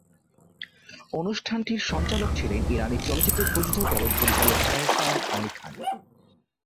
অনুষ্ঠানটির সঞ্চালক ছিলেন ইরানি চলচ্চিত্র প্রযোজক এবং পরিচালক এহসান আলিখানি।